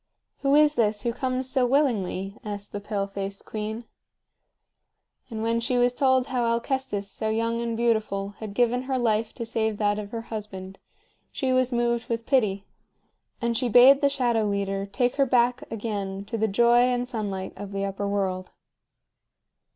"Who is this who comes so willingly?" asked the pale faced queen. And when she was told how Alcestis, so young and beautiful, had given her life to save that of her husband, she was moved with pity; and she bade the Shadow Leader take her back again to the joy and sunlight of the Upper World.